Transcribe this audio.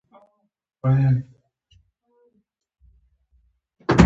ما ورته وویل امریکایان دلته په ټکټ یو دانه نه پیدا کیږي.